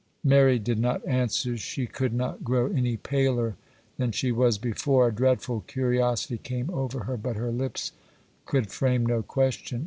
Mary did not answer. She could not grow any paler than she was before; a dreadful curiosity came over her, but her lips could frame no question.